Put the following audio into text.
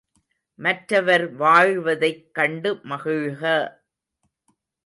மற்றவர் வாழ்வதைக் கண்டு மகிழ்க!